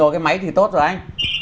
rồi cái máy thì tốt rồi anh